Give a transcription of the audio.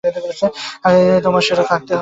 আগে তোমার সেটা থাকতে হবে তো?